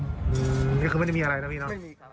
อย่างนี้คือไม่ได้มีอะไรนะพี่น้อง